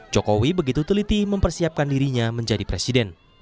jokowi begitu teliti mempersiapkan dirinya menjadi presiden